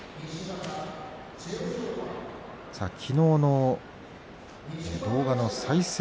きのうの動画の再生